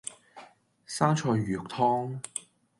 生菜魚肉湯